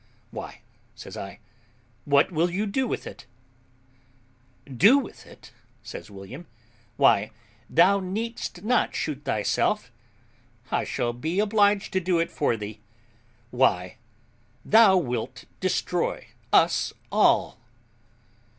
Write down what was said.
"Why," says I, "what will you do with it?" "Do with it!" says William. "Why, thou needest not shoot thyself; I shall be obliged to do it for thee. Why, thou wilt destroy us all."